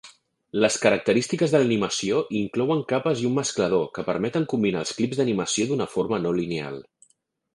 Les característiques de l'animació inclouen capes i un mesclador, que permeten combinar els clips d'animació d'una forma no lineal.